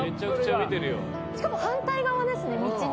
しかも反対側ですね道の。